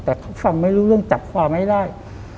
แต่เขาฟังไม่รู้เรื่องจับความไม่ได้